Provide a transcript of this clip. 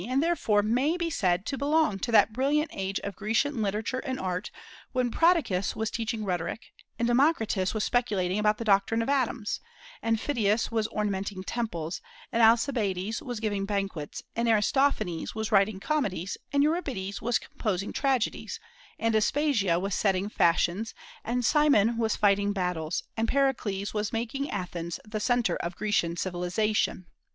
and therefore may be said to belong to that brilliant age of Grecian literature and art when Prodicus was teaching rhetoric, and Democritus was speculating about the doctrine of atoms, and Phidias was ornamenting temples, and Alcibiades was giving banquets, and Aristophanes was writing comedies, and Euripides was composing tragedies, and Aspasia was setting fashions, and Cimon was fighting battles, and Pericles was making Athens the centre of Grecian civilization.